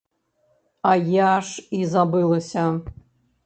А я ж і забылася!